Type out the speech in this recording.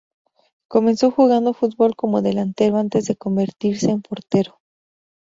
Comenzó jugando fútbol como delantero antes de convertirse en portero.